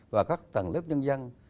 và các tầng lớp nhân dân